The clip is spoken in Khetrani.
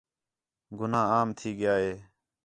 گُناہ عام تھی ڳِیا ہِے